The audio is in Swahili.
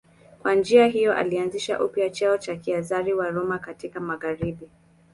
Kwa njia hiyo alianzisha upya cheo cha Kaizari wa Roma katika magharibi.